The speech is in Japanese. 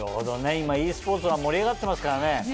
今ｅスポーツは盛り上がってますからね。